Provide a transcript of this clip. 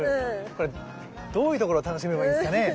これどういうところを楽しめばいいんですかね？